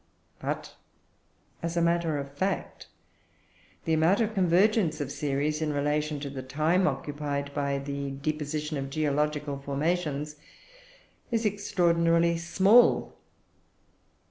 But, as a matter of fact, the amount of convergence of series, in relation to the time occupied by the deposition of geological formations, is extraordinarily small.